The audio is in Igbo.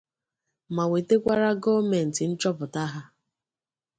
ma wetekwara gọọmenti nchọpụta ha